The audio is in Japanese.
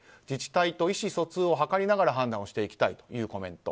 自治体と意思疎通を図りながら判断をしていきたいという発言。